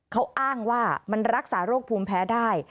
เขาอ้างว่ามันรักษาโรคภูมิแพ้ได้